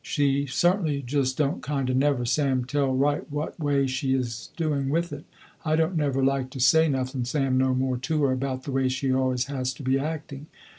She certainly just don't kind of never Sam tell right what way she is doing with it. I don't never like to say nothing Sam no more to her about the way she always has to be acting.